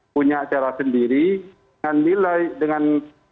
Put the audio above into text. punya cara sendiri dengan nilai dengan